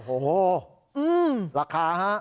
โอ้โหราคาฮะ